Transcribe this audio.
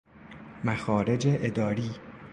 مخارج اداری